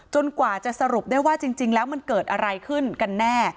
กว่าจะสรุปได้ว่าจริงแล้วมันเกิดอะไรขึ้นกันแน่